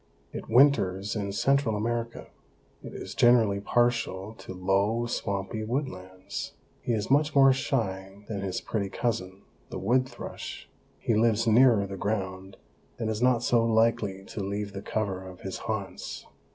It winters in Central America. It is generally partial to low, swampy woodlands. He is much more shy than his pretty cousin, the wood thrush; he lives nearer the ground and is not so likely to leave the cover of his haunts.